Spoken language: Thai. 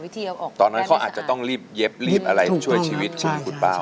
ตอนนั้นเขาอาจจะต้องรีบเย็บรีบอะไรช่วยชีวิตคุณคุณเปล่า